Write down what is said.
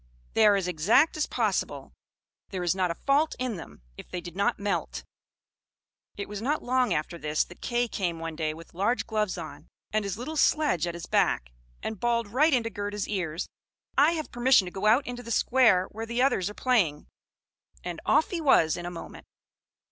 They are as exact as possible; there is not a fault in them, if they did not melt!" It was not long after this, that Kay came one day with large gloves on, and his little sledge at his back, and bawled right into Gerda's ears, "I have permission to go out into the square where the others are playing"; and off he was in a moment.